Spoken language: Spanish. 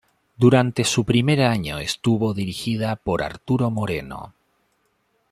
Durante su primer año estuvo dirigida por Arturo Moreno.